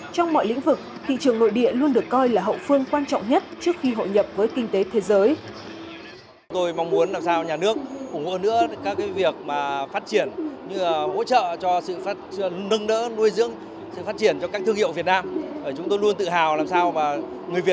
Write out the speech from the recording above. trong mọi lĩnh vực thị trường nội địa luôn được coi là hậu phương quan trọng nhất trước khi hội nhập với kinh tế thế giới